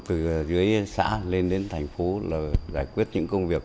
từ dưới xã lên đến thành phố là giải quyết những công việc